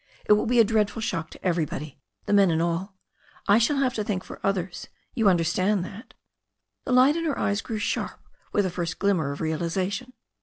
"It will be a dreadful shock to everybody, the men and all. I shall have to think for others. You understand that?" The light in her eyes grew sharp w^ith a first glimmer of realization.